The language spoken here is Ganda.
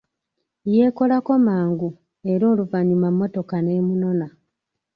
Yeekolako mangu, era oluvanyuma mmotoka n'emunona.